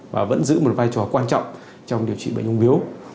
và vẫn giữ một vai trò quan trọng trong điều trị bệnh ung biếu